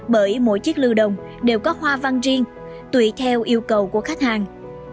bởi mỗi chiếc lưu đồng đều có hoa văn riêng tùy theo yêu cầu của khách hàng